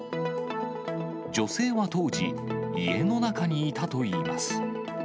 女性は当時、家の中にいたといいます。